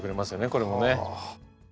これもね。